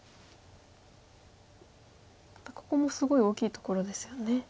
またここもすごい大きいところですよね。